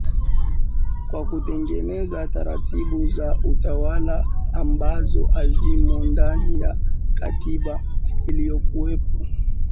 kwa kutengeneza taratibu za utawala ambazo hazimo ndani ya katiba iliyokuwepo